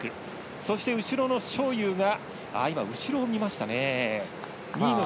そして、後ろの章勇が後ろを見ました。